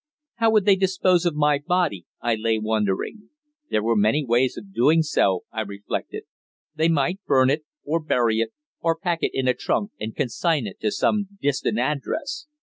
How would they dispose of my body, I lay wondering? There were many ways of doing so, I reflected. They might burn it, or bury it, or pack it in a trunk and consign it to some distant address.